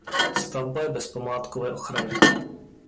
Stavba je bez památkové ochrany.